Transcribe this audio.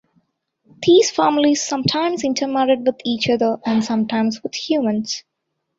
These families sometimes intermarried with each other, and sometimes with humans.